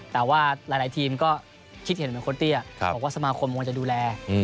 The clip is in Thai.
แต่ว่าหลายทีมก็คิดเห็นเหมือนโค้เตี้ยบอกว่าสมาคมควรจะดูแล